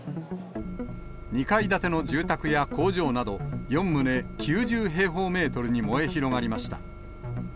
２階建ての住宅や工場など、４棟９０平方メートルに燃え広がりました。